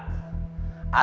akan berangkat ke terminal